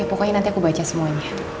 pokoknya nanti aku baca semuanya